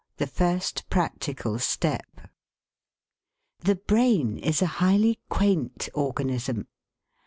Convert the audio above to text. IV THE FIRST PRACTICAL STEP The brain is a highly quaint organism.